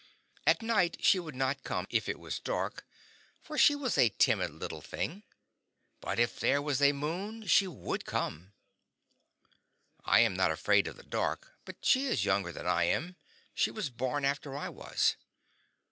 At night she would not come if it was dark, for she was a timid little thing; but if there was a moon she would come. I am not afraid of the dark, but she is younger than I am; she was born after I was.